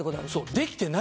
できてない。